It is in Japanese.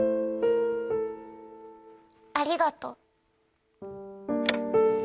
ありがとう。